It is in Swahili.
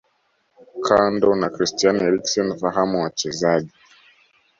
Kando na Christian Eriksen fahamu wachezaji